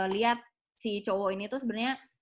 liat si cowok ini tuh sebenernya